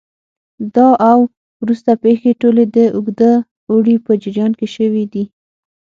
دا او وروسته پېښې ټولې د اوږده اوړي په جریان کې شوې دي